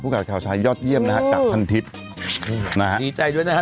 กับข่าวชายยอดเยี่ยมนะฮะจากพันทิศนะฮะดีใจด้วยนะฮะ